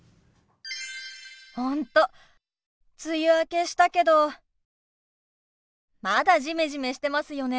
本当梅雨明けしたけどまだジメジメしてますよね。